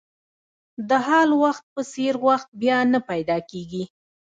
د حال وخت په څېر وخت بیا نه پیدا کېږي.